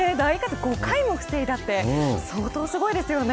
５回も防いだって相当すごいですよね。